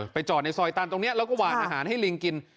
จอดในซอยตันตรงนี้แล้วก็หวานอาหารให้ลิงกิน